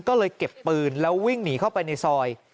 ก็เลยเก็บปืนแล้ววิ่งหนีเข้าไปในซอย